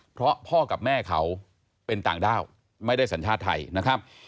เพราะพ่อกับแม่เขาเป็นต่างด้าวไม่ได้สัญชาติไทยนะครับ